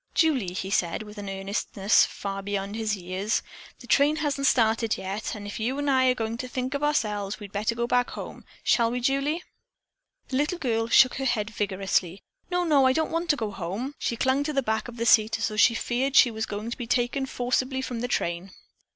"Julie," he said, with an earnestness far beyond his years, "the train hasn't started yet and if you'n I are going to think of ourselves we'd better go back home. Shall we, Julie?" The little girl shook her head vigorously. "No, no. I don't want to go home." She clung to the back of a seat as though she feared she were going to be taken forcibly from the train.